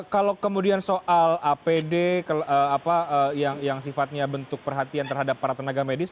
kalau kemudian soal apd yang sifatnya bentuk perhatian terhadap para tenaga medis